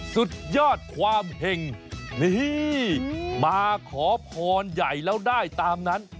สุดยอดความเห็งนี่มาขอพรใหญ่แล้วได้ตามนั้น